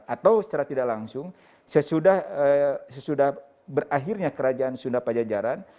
atau secara tidak langsung sesudah berakhirnya kerajaan sunda pajajaran